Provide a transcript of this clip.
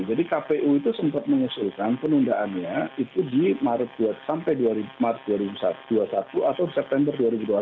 jadi kpu itu sempat mengusulkan penundaannya itu di maret dua ribu dua puluh satu atau september dua ribu dua puluh satu